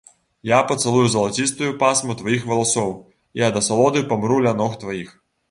Я пацалую залацістую пасму тваіх валасоў і ад асалоды памру ля ног тваіх.